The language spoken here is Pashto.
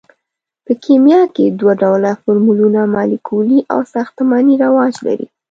په کیمیا کې دوه ډوله فورمولونه مالیکولي او ساختماني رواج لري.